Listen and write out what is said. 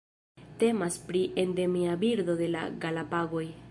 Temas pri endemia birdo de la Galapagoj.